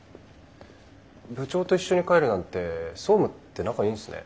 部長と一緒に帰るなんて総務って仲いいんすね。